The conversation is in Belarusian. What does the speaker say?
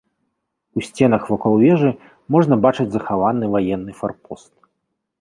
У сценах вакол вежы можна бачыць захаваны ваенны фарпост.